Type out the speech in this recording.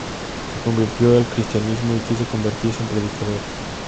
Se convirtió al cristianismo y quiso convertirse en predicador.